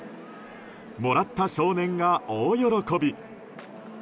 もらった少年が大喜び。